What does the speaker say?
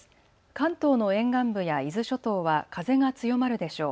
関東の沿岸部や伊豆諸島は風が強まるでしょう。